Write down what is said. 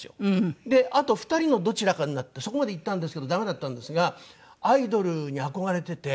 あと２人のどちらかになってそこまでいったんですけどダメだったんですがアイドルに憧れてて。